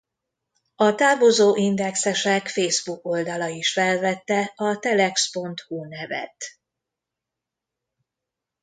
A távozó indexesek Facebook-oldala is felvette a Telex.hu nevet.